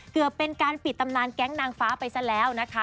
เกือบเป็นการปิดตำนานแก๊งนางฟ้าไปซะแล้วนะคะ